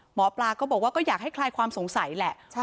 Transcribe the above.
หมอปลาก็บอกว่าก็อยากให้คลายความสงสัยแหละ